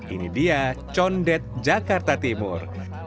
ini dia condet jakarta timur